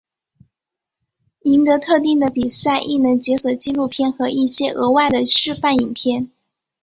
赢得特定的比赛亦能解锁纪录片和一些额外的示范影片。